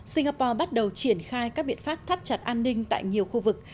singapore bắt đầu triển khai các biện pháp thắt chặt an ninh tại nhiều khu vực